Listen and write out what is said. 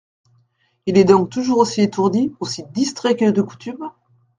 Il est donc toujours aussi étourdi, aussi distrait que de coutume ?